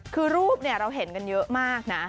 คือรูปเราเห็นกันเยอะมากนะ